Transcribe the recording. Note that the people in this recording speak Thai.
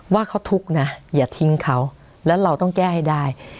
ว่าเขาทุกข์นะอย่าทิ้งเขาแล้วเราต้องแก้ให้ได้